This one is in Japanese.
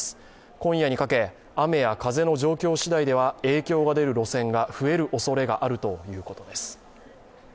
今夜にかけ、雨や風の状況しだいでは影響が出る路線が増えるおそれがあるということです。